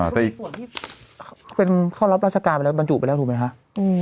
อ่าแต่อีกเป็นเข้ารับราชการไปแล้วมันจุดไปแล้วถูกไหมฮะอืม